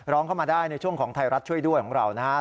ร้องเข้ามาได้ในช่วงของไทยรัฐช่วยด้วยของเรานะครับ